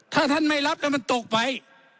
ถ้าท่านไม่รับแล้วมันตกไป